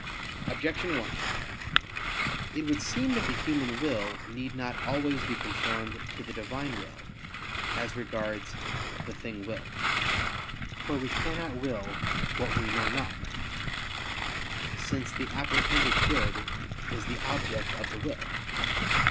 Objection 1: It would seem that the human will need not always be conformed to the Divine will, as regards the thing willed. For we cannot will what we know not: since the apprehended good is the object of the will.